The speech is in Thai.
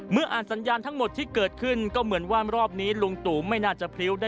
อ่านสัญญาณทั้งหมดที่เกิดขึ้นก็เหมือนว่ารอบนี้ลุงตู่ไม่น่าจะพริ้วได้